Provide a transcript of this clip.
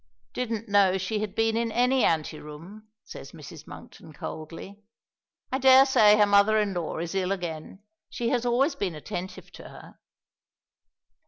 "Didn't know she had been in any anteroom," says Mrs. Monkton, coldly. "I daresay her mother in law is ill again. She has always been attentive to her."